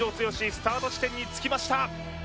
スタート地点に着きました